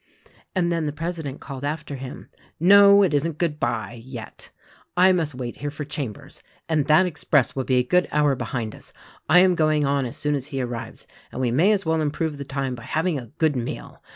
And then the president called after him, "No; it isn't 'good bye,' yet. I must wait here for Chambers ; and that express will be a good hour behind us. I am going on as soon as he arrives, and we may as well improve the time by having a good meal.